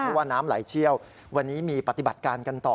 เพราะว่าน้ำไหลเชี่ยววันนี้มีปฏิบัติการกันต่อ